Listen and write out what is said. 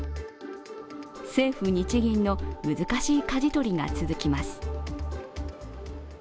政府・日銀の難しいかじ取りが続きます。